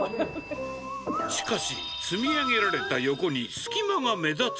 しかし、積み上げられた横に隙間が目立つ。